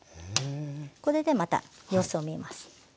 これでまた様子を見ます。